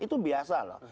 itu biasa loh